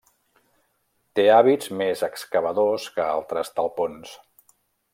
Té hàbits més excavadors que altres talpons.